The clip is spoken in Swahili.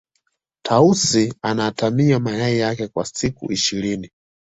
tausi anaatamia mayai yake kwa siku ishirini